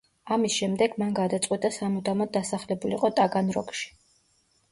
ამის შემდეგ მან გადაწყვიტა სამუდამოდ დასახლებულიყო ტაგანროგში.